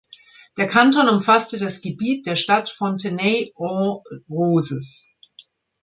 Der Kanton umfasste das Gebiet der Stadt Fontenay-aux-Roses.